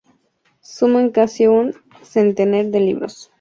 Suman casi un centenar de libros.